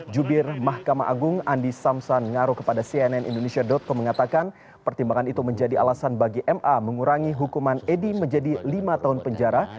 jubir mahkamah agung andi samsan ngaro kepada cnn indonesia com mengatakan pertimbangan itu menjadi alasan bagi ma mengurangi hukuman edi menjadi lima tahun penjara